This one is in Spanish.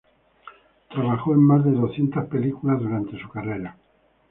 Trabajó en más de doscientas películas durante su carrera.